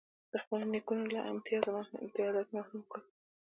د خپلو نیکونو له امتیازاتو محروم کړ.